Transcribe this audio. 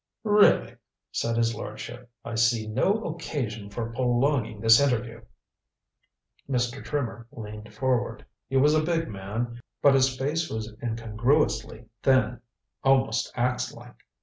"Really," said his lordship, "I see no occasion for prolonging this interview." Mr. Trimmer leaned forward. He was a big man, but his face was incongruously thin almost ax like.